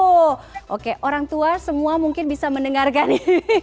oh oke orang tua semua mungkin bisa mendengarkan ini